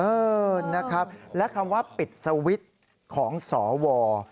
เออนะครับและคำว่าปิดสวิตช์ของสว